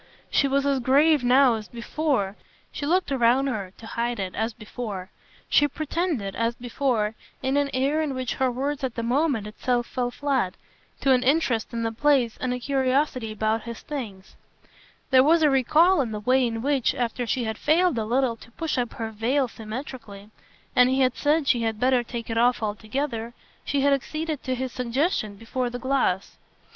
She was as grave now as before; she looked around her, to hide it, as before; she pretended, as before, in an air in which her words at the moment itself fell flat, to an interest in the place and a curiosity about his "things"; there was a recall in the way in which, after she had failed a little to push up her veil symmetrically and he had said she had better take it off altogether, she had acceded to his suggestion before the glass.